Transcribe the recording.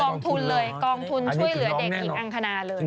องทุนเลยกองทุนช่วยเหลือเด็กหญิงอังคณาเลย